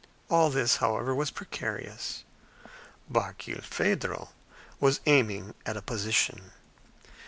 All this, however, was precarious. Barkilphedro was aiming at a position.